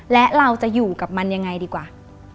และเราจะอยู่กับมันยังไงดีกว่า